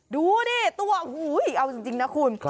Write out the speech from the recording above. ดูดิตัวเอาจริงนะคุณ